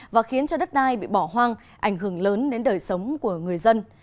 và khiến cho đất đai bị bỏ hoang ảnh hưởng lớn đến đời sống của người dân